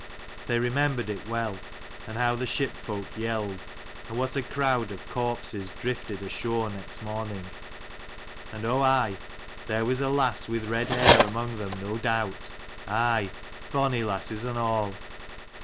They remembered it well, and how the ship folk yelled, and what a crowd of corpses drifted ashore next morning ; and oh aye, there was a lass with red hair among them no doubt : aye, bonny lasses and all.